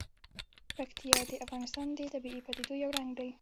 پکتیا د افغانستان د طبیعي پدیدو یو رنګ دی.